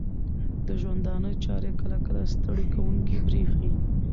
د ژوندانه چارې کله کله ستړې کوونکې بریښې